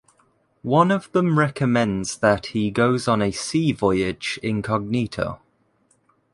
One of them recommends that he goes on a sea voyage incognito.